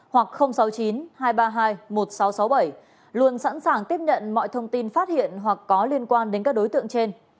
hoặc sáu mươi chín hai trăm ba mươi hai một nghìn sáu trăm sáu mươi bảy luôn sẵn sàng tiếp nhận mọi thông tin phát hiện hoặc có liên quan đến các đối tượng trên